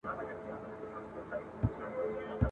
ړوند اوکوڼ سي له نېکیه یې زړه تور سي ..